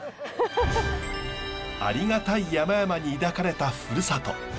ありがたい山々に抱かれたふるさと。